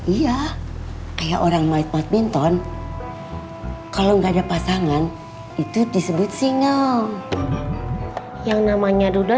iya kayak orang mait mait binton kalau nggak ada pasangan itu disebut single yang namanya duda